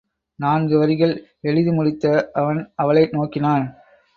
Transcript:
நான்கு வரிகள் எழுதிமுடித்த அவன் அவளை நோக்கினான்.